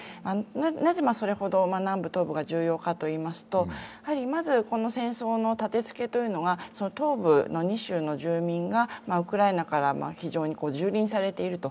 なぜ、それほど南部・東部が重要化といいますと、まずこの戦争の立てつけというのが東部の２州の住民がウクライナから非常にじゅうりんされていると。